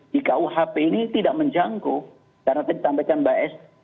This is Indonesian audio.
di kuhp ini tidak menjangkau karena tadi disampaikan mbak es